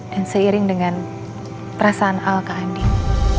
dan seiring dengan perasaan al ke andin